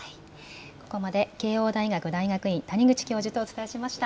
ここまで慶応大学大学院、谷口教授とお伝えしました。